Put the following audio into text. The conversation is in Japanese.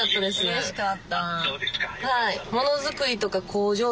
うれしかった。